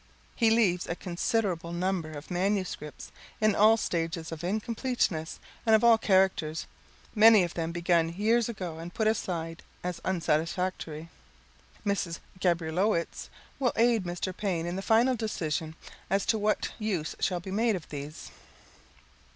He leaves a considerable number of manuscripts, in all stages of incompleteness and of all characters, many of them begun years ago and put aside as unsatisfactory. Mrs. Gabrilowitsch will aid Mr. Paine in the final decision as to what use shall be made of these.